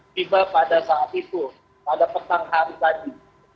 tiba pada saat itu pada petang hari tadi